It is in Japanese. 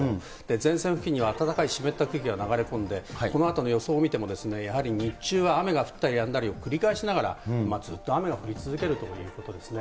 前線付近には暖かい湿った空気が流れ込んで、このあとの予想を見ても、やはり日中は雨が降ったりやんだりを繰り返しながら、ずっと雨が降り続けるということですね。